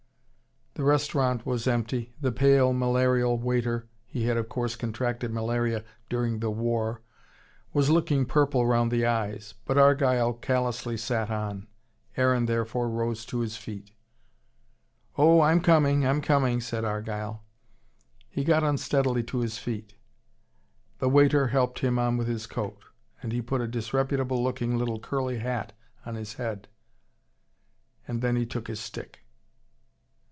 The restaurant was empty, the pale, malarial waiter he had of course contracted malaria during the war was looking purple round the eyes. But Argyle callously sat on. Aaron therefore rose to his feet. "Oh, I'm coming, I'm coming," said Argyle. He got unsteadily to his feet. The waiter helped him on with his coat: and he put a disreputable looking little curly hat on his head. Then he took his stick.